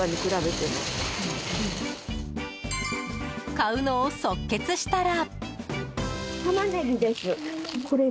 買うのを即決したら。